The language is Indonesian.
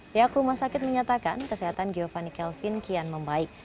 pihak rumah sakit menyatakan kesehatan giovanni kelvin kian membaik